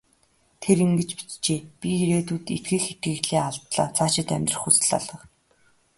Тэр ингэж бичжээ: "Би ирээдүйд итгэх итгэлээ алдлаа. Цаашид амьдрах хүсэл алга".